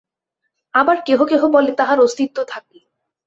আবার কেহ কেহ বলে তাহার অস্তিত্ব থাকে।